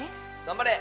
頑張れ！